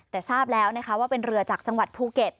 แต่ทราบแล้วนะคะว่าเป็นเรือจากจังหวัดภูเก็ต